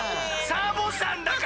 サボさんだから。